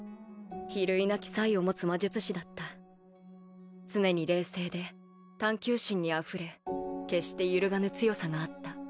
比類なき才を持つ魔術師だった常に冷静で探求心にあふれ決して揺るがぬ強さがあった